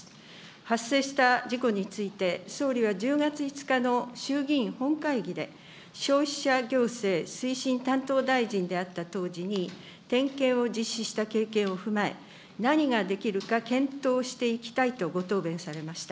発生した事故について、総理は１０月５日の衆議院本会議で、消費者行政推進担当大臣であった当時に、点検を実施した経験を踏まえ、何ができるか検討していきたいとご答弁されました。